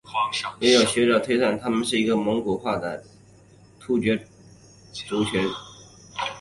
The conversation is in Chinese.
也有学者推测他们是一个蒙古化的突厥族群。